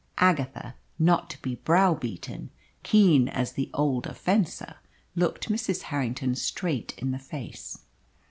Agatha not to be brow beaten, keen as the older fencer looked Mrs. Harrington straight in the face.